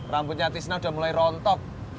rambutnya tisna sudah mulai rontok